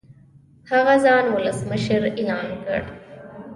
هغه ځان ولسمشر اعلان کړ.